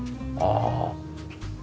ああ。